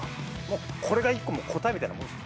もうこれが１個答えみたいなもんっす。